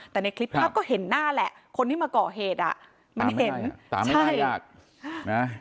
แต่ในคลิปภาพก็เห็นหน้าแหละคนที่มาเกาะเหตุมันเห็น